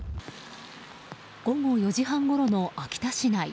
午後４時半ごろの秋田市内。